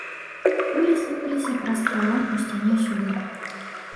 Кулі сыпаліся праз пралом у сцяне сюды.